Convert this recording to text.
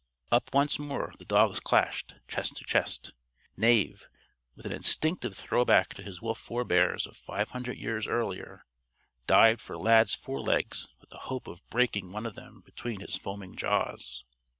Up once more, the dogs clashed, chest to chest. Knave, with an instinctive throwback to his wolf forebears of five hundred years earlier, dived for Lad's forelegs with the hope of breaking one of them between his foaming jaws.